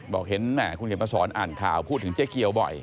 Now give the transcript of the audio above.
บอกเห็นคุณเขมสรอ่านข่าวพูดถึงเจ๊เกียวบ่อย